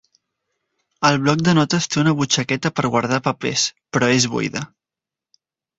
El bloc de notes té una butxaqueta per guardar papers, però és buida.